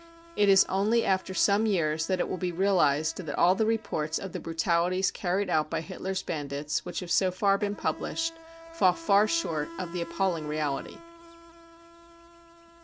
It is only after some years that it will be realised that all the reports of the ^brutalities carried out by Hitler's bandits which have so "Tar been published fall far short of the appalling reality.